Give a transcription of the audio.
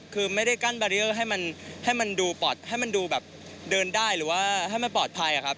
คือไม่ได้กั้นเบรียร์ให้มันดูแบบเดินได้หรือว่าให้มันปลอดภัย